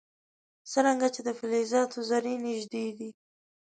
څرنګه چې د فلزاتو ذرې نژدې دي.